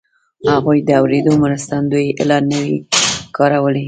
هغوی د اورېدو مرستندويي الې نه وې کارولې